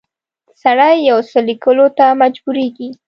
سړی یو څه لیکلو ته مجبوریږي.